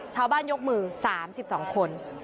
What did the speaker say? ชาวบ้านยกมือ๓๒คน